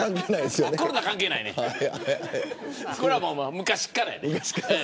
これは昔からやね。